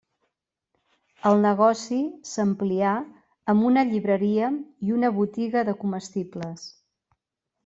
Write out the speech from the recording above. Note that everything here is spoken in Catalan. El negoci s'amplià amb una llibreria i una botiga de comestibles.